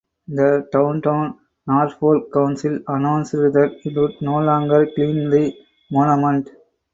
The Downtown Norfolk Council announced that it would no longer clean the monument.